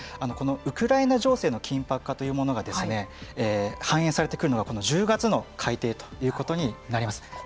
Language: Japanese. このウクライナ情勢の緊迫化というものが反映されてくるのが１０月の改定ということになります。